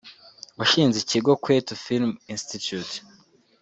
washinze ikigo “Kwetu Film Institute